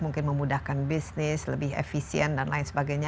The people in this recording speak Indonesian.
mungkin memudahkan bisnis lebih efisien dan lain sebagainya